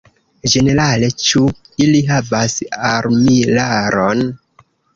Ĝenerale, ĉu ili havas armilaron?